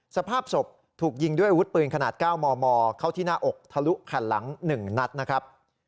สภาพศพถูกยิงด้วยอาวุธปืนขนาด๙มมเข้าที่หน้าอกทะลุแผ่นหลัง๑นัดนะครับ